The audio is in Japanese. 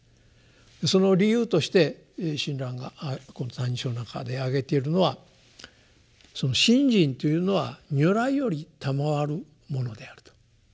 その理由として親鸞がこの「歎異抄」の中で挙げているのはその信心というのは如来よりたまわるものであると。